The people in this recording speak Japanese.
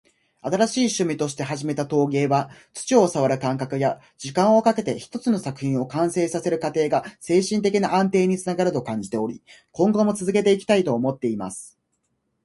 「新しい趣味として始めた陶芸は、土を触る感覚や、時間をかけて一つの作品を完成させる過程が精神的な安定につながると感じており、今後も続けていきたいと思っています。」